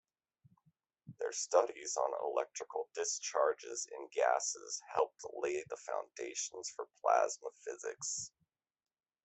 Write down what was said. Their studies on electrical discharges in gases helped lay the foundations for plasma physics.